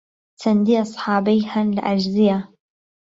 چەندی ئەسحابەی هەن لە عەرزییە